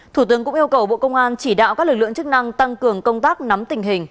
thủ tướng cũng yêu cầu bộ công an chỉ đạo các lực lượng chức năng tăng cường công tác nắm tình hình